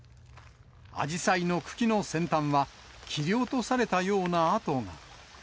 アジサイの茎の先端は、切り落とされたような跡が。